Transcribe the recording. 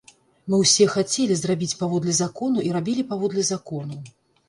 Мы ўсё хацелі зрабіць паводле закону і рабілі паводле закону.